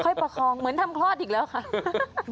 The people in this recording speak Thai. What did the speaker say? ประคองเหมือนทำคลอดอีกแล้วค่ะ